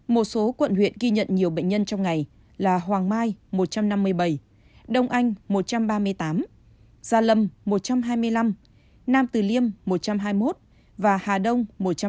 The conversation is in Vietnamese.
một số quận huyện ghi nhận nhiều bệnh nhân trong ngày là hoàng mai một trăm năm mươi bảy đông anh một trăm ba mươi tám gia lâm một trăm hai mươi năm nam từ liêm một trăm hai mươi một và hà đông một trăm ba mươi